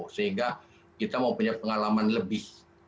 sehingga kita mau punya pengalaman lebih